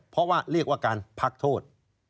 เพราะว่าเรียกว่าการพักโทษ